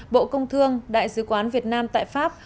bộ công thương đại sứ quán việt nam tại pháp